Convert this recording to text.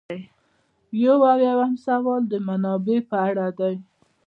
یو اویایم سوال د منابعو په اړه دی.